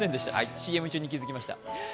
ＣＭ中に気づきました。